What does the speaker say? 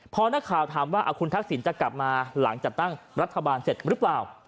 พอนักข่าวถามว่าคุณทักษิณจะกลับมาหลังจากตั้งรัฐบาลเสร็จหรือเปล่า